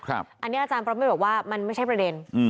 อันนี้อาจารย์ประเมฆบอกว่ามันไม่ใช่ประเด็น